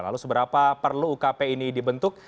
lalu seberapa perlu ukp ini dibentuk